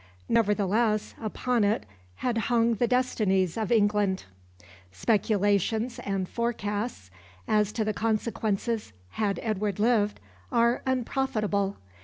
Nevertheless upon it had hung the destinies of England. Speculations and forecasts as to the consequences had Edward lived are unprofitable.